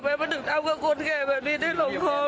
มาถึงต้มกับคนแก่บอกว่าพี่จะหลงคลอ